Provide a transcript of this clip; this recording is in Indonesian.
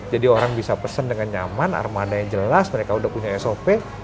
jadi orang bisa pesen dengan nyaman armadanya jelas mereka udah punya sop